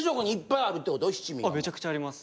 めちゃくちゃあります。